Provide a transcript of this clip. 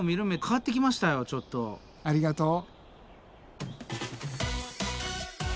ありがとう。